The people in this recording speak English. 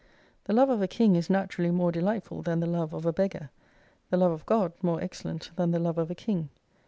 The love of a King is naturally more delightful than the love of a beggar : the love of God more excellent than the love of a King.